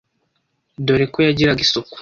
dore ko yagiraga isuku